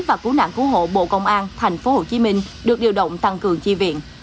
và cứu nạn cứu hộ bộ công an thành phố hồ chí minh được điều động tăng cường chi viện